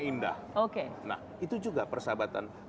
rendah nah itu juga persahabatan